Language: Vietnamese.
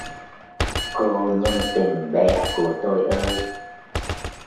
Cô nhân tình bé của tôi ơi!